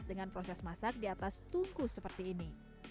dengan proses masak di atas tungku seperti ini